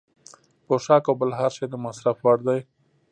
پوښاک او بل هر شی د مصرف وړ دی.